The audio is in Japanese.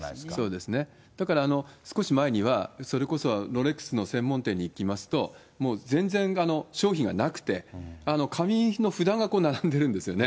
そうですね、だから少し前には、それこそロレックスの専門店に行きますと、もう全然商品がなくて、紙の札が並んでるんですよね。